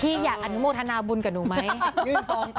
อยากอนุโมทนาบุญกับหนูไหม